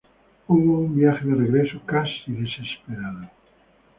Hubo un viaje de regreso casi desesperado.